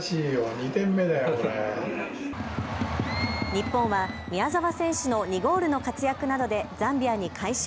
日本は宮澤選手の２ゴールの活躍などでザンビアに快勝。